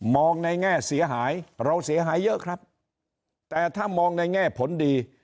ในแง่เสียหายเราเสียหายเยอะครับแต่ถ้ามองในแง่ผลดี